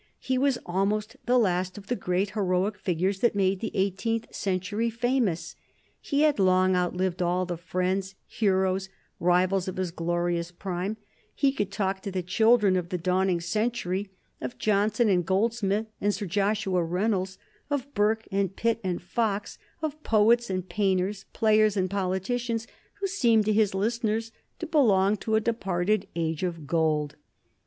He was almost the last of the great heroic figures that made the eighteenth century famous. He had long outlived all the friends, heroes, rivals of his glorious prime: he could talk to the children of the dawning century of Johnson, and Goldsmith, and Sir Joshua Reynolds; of Burke, and Pitt, and Fox; of poets and painters, players, and politicians, who seemed to his listeners to belong to a departed Age of Gold.